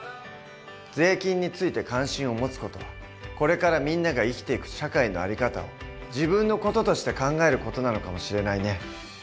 税金について関心を持つ事はこれからみんなが生きていく社会の在り方を自分の事として考える事なのかもしれないね。